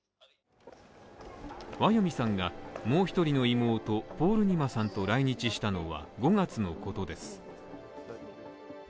ワヨミさんがもう一人の妹ポールニマさんと来日したのは５月のことです